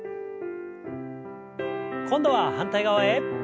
今度は反対側へ。